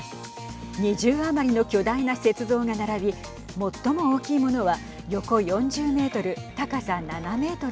２０余りの巨大な雪像が並び最も大きいものは横４０メートル